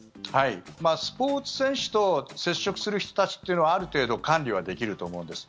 スポーツ選手と接触する人たちというのはある程度管理はできると思うんです。